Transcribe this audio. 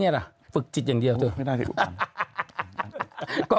นี่ล่ะฝึกจิตอย่างเดียวเถอะ